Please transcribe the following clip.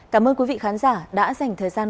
cảm ơn quý vị khán giả đã dành thời gian